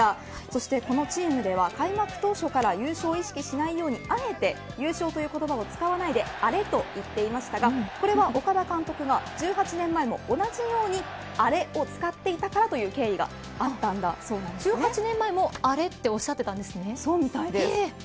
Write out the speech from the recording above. そしてこのチームでは開幕当初から優勝を意識しないように、あえて優勝という言葉を使わないでアレと言っていましたがこれは岡田監督が１８年前も同じようにアレを使っていたからという１８年前も、アレとそうみたいです。